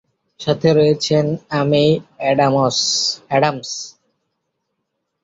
সাথে রয়েছেন Amy Adams.